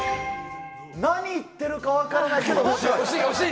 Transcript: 何言ってるか分からないけど、おもしろい。